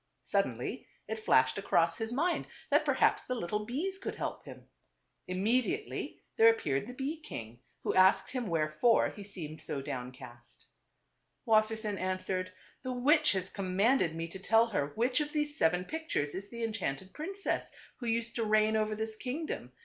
Suddenly it flashed across his mind that perhaps the of ^ little bees could help him. Immedi ately there appeared the bee king, who asked him wherefore he seemed so downcast. Wassersein answered, "The witch has com manded me to tell her which of these seven pict ures is the enchanted princess, who used to reign TWO BBOTHEES. 297 over this kingdom.